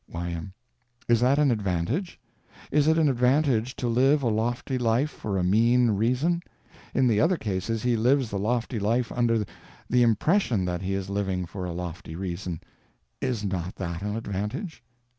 Y.M. Is that an advantage? Is it an advantage to live a lofty life for a mean reason? In the other cases he lives the lofty life under the _impression _that he is living for a lofty reason. Is not that an advantage?